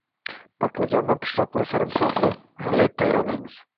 Baqlajondan pishloq va sarimsoqli rulet tayyorlaymiz